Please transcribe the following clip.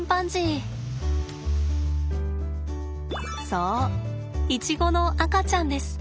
そうイチゴの赤ちゃんです。